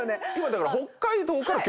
だから。